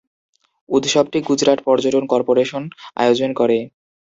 উৎসবটি গুজরাট পর্যটন কর্পোরেশন আয়োজন করে।